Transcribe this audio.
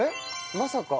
まさか。